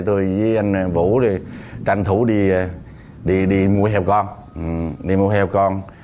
tôi với anh vũ tranh thủ đi mua heo con